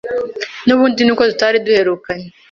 nubundi nuko tutari duherukanye